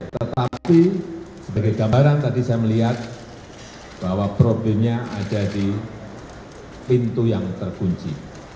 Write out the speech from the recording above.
tetapi sebagai gambaran tadi saya melihat bahwa problemnya ada di pintu yang terkunci